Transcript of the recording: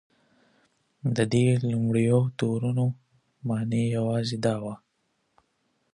د دې لومړیو تورونو معنی یوازې دا وه.